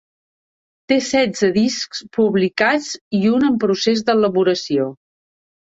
Té setze discs publicats i un en procés d’elaboració.